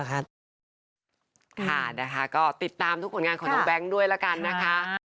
ค่ะนะคะก็ติดตามทุกผลงานของน้องแบงค์ด้วยละกันนะคะ